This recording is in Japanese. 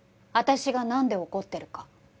私がなんで怒ってるか。